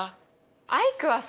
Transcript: アイクはさ